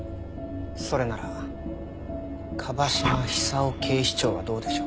それなら椛島寿夫警視長はどうでしょう？